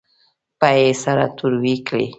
پۍ یې سره تروې کړې.